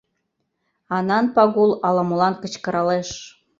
— Анан Пагул ала-молан кычкыралеш.